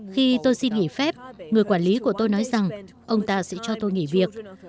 khi tôi xin nghỉ phép người quản lý của tôi nói rằng ông ta sẽ cho tôi nghỉ việc